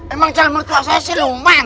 emang calon mertua saya si luman